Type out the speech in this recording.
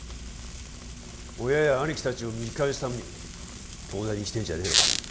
親や兄貴達を見返すために東大に行きてえんじゃねえのか？